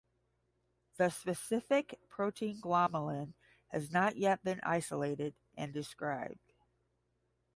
The specific protein glomalin has not yet been isolated and described.